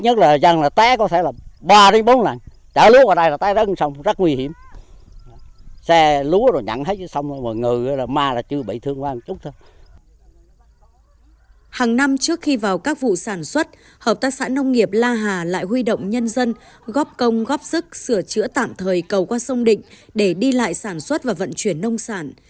hàng năm trước khi vào các vụ sản xuất hợp tác xã nông nghiệp la hà lại huy động nhân dân góp công góp sức sửa chữa tạm thời cầu qua sông định để đi lại sản xuất và vận chuyển nông sản